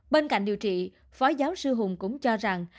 bên cạnh điều trị phó giáo sư hùng cũng cho rằng